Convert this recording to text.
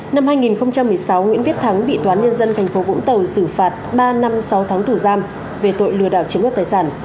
năm hai nghìn một mươi sáu nguyễn viết thắng bị toán nhân dân thành phố vũng tàu giữ phạt ba năm sáu tháng tù giam về tội lừa đảo chiếm đất tài sản